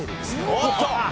「おっと！